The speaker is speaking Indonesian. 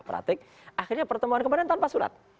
pratik akhirnya pertemuan kemarin tanpa surat